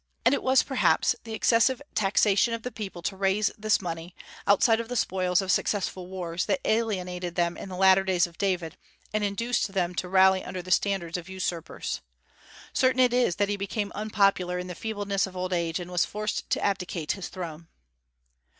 And it was perhaps the excessive taxation of the people to raise this money, outside of the spoils of successful wars, that alienated them in the latter days of David, and induced them to rally under the standards of usurpers. Certain it is that he became unpopular in the feebleness of old age, and was forced to abdicate his throne.